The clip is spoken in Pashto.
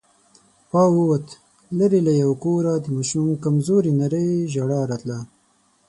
پاو ووت، ليرې له يوه کوره د ماشوم کمزورې نرۍ ژړا راتله.